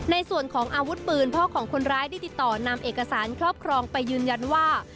ในส่วนของอาวุธปืนพ่อของคนร้ายได้ติดต่อนำเอกสารครอบครองไปยืนยันว่า